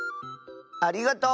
ありがとう。